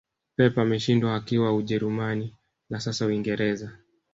pep ameshindwa akiwa ujerumani na sasa uingereza